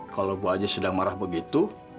kalau bu aji sedang marah begitu